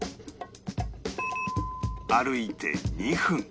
歩いて２分